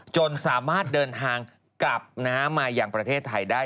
จนสามารถเดินทางกลับมาอย่างประเทศไทยได้